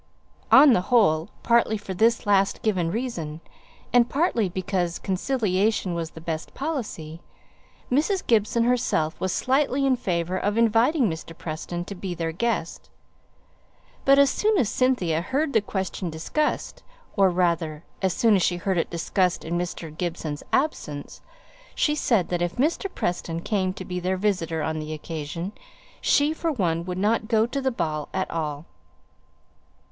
On the whole partly for this last given reason, and partly because conciliation was the best policy, Mrs. Gibson was slightly in favour of inviting Mr. Preston to be their guest. But as soon as Cynthia heard the question discussed or rather, as soon as she heard it discussed in Mr. Gibson's absence, she said that if Mr. Preston came to be their visitor on the occasion, she for one would not go to the ball at all.